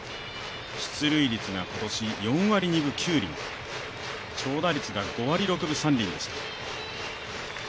出塁率が今年４割２分９厘、長打率が５割６分３厘でした。